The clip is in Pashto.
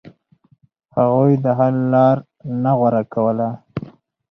هغوی د حل لار نه غوره کوله.